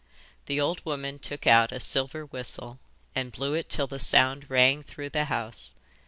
The old woman took out a silver whistle and blew it till the sound rang through the house.